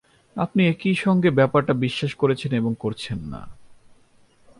আপনি একই সঙ্গে ব্যাপারটা বিশ্বাস করছেন এবং করছেন না।